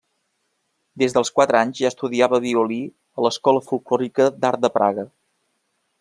Des dels quatre anys ja estudiava violí a l'Escola Folklòrica d'Art de Praga.